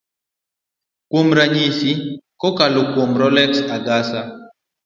kuom ranyisi. kokalo kuom Rolex Agasa